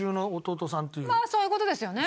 まあそういう事ですよね。